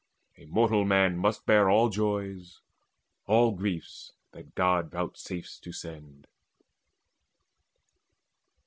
A mortal man must bear All joys, all griefs, that God vouchsafes to send."